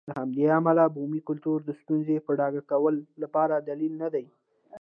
له همدې امله بومي کلتور د ستونزې په ډاګه کولو لپاره دلیل نه دی.